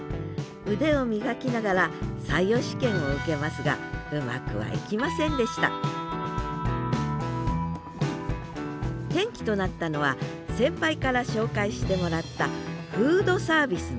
腕を磨きながら採用試験を受けますがうまくはいきませんでした転機となったのは先輩から紹介してもらったフードサービスの仕事。